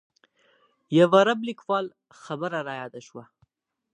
یو عرب لیکوال خبره رایاده شوه.